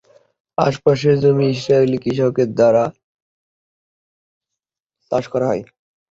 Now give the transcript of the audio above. আশেপাশের জমি ইসরায়েলি কৃষকদের দ্বারা চাষ করা হয়।